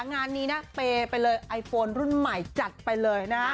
งานนี้นะเปย์ไปเลยไอโฟนรุ่นใหม่จัดไปเลยนะ